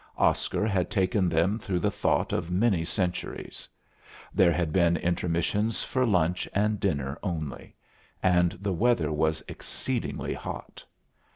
Oscar had taken them through the thought of many centuries. There had been intermissions for lunch and dinner only; and the weather was exceedingly hot.